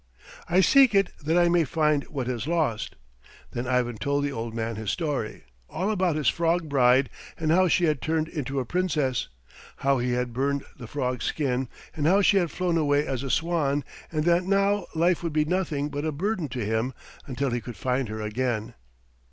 "I seek it that I may find what is lost." Then Ivan told the old man his story, all about his frog bride and how she had turned into a Princess, how he had burned the frog skin and how she had flown away as a swan, and that now life would be nothing but a burden to him until he could find her again.